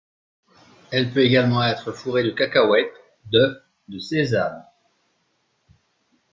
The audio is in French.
Elle peut également être fourrée de cacahuète, d’œuf, de sésame.